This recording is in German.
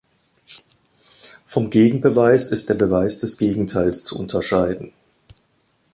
Vom Gegenbeweis ist der "Beweis des Gegenteils" zu unterscheiden.